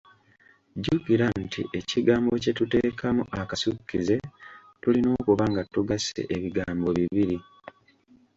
Jjukira nti ekigambo kye tuteekamu akasukkize, tulina okuba nga tugasse ebigambo bibiri.